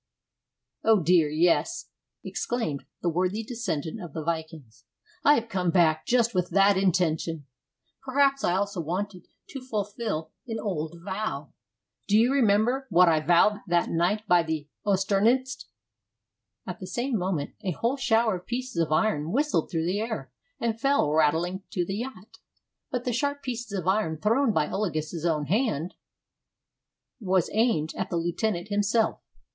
"O dear, yes," exclaimed the worthy descendant of the Vikings. "I have come back just with that intention. Perhaps I also wanted to fulfill an old vow. Do you remember what I vowed that night by the Oternnest?" At the same moment a whole shower of pieces of iron whistled through the air, and fell rattling on to the yacht; but the sharp piece of iron thrown by Olagus's own hands was aimed at the lieutenant himself.